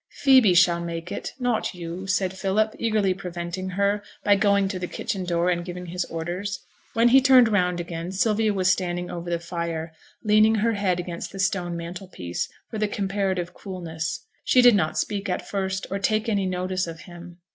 'Phoebe shall make it, not you,' said Philip, eagerly preventing her, by going to the kitchen door and giving his orders. When he turned round again, Sylvia was standing over the fire, leaning her head against the stone mantel piece for the comparative coolness. She did not speak at first, or take any notice of him.